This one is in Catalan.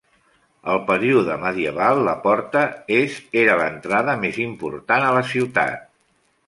Al període medieval la porta est era l'entrada més important a la ciutat.